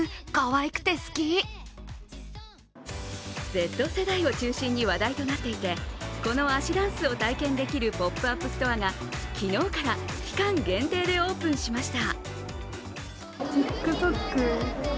Ｚ世代を中心に話題となっていてこの足ダンスを体験できるポップアップストアが昨日から期間限定でオープンしました。